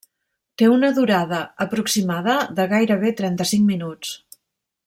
Té una durada aproximada de gairebé trenta-cinc minuts.